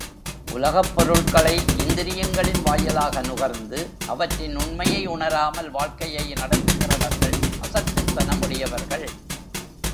உலகப் பொருள்களை இந்திரியங்களின் வாயிலாக நுகர்ந்து, அவற்றின் உண்மையை உணராமல் வாழ்க்கையை நடத்துகிறவர்கள் அசட்டுத்தனம் உடையவர்கள்.